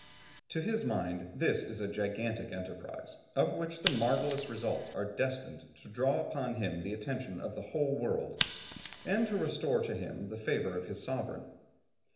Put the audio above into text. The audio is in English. To his mind, this is a gigantic enterprise of which the marvellous results are destined to draw upon him the attention of the whole world, and to restore to him the favour of his sovereign.